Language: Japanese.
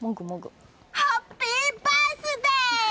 ハッピーバースデー！